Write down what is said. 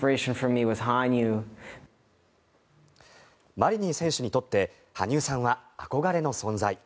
マリニン選手にとって羽生さんは憧れの存在。